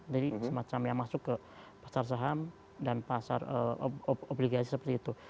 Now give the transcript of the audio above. jadi semacam yang masuk ke pasar saham dan pasar obligasi seperti itu